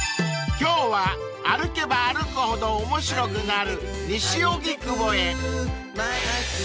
［今日は歩けば歩くほど面白くなる］